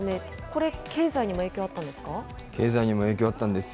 これ、経済にも影響あったんです